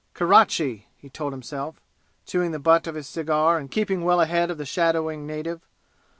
"Kerachi!" he told himself, chewing the butt of his cigar and keeping well ahead of the shadowing native.